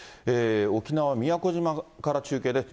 沖縄・宮古島から中継です。